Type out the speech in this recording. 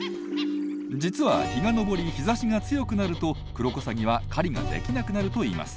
実は日が昇り日ざしが強くなるとクロコサギは狩りができなくなるといいます。